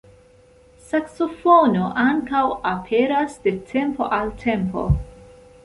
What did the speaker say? Saksofono ankaŭ aperas de tempo al tempo.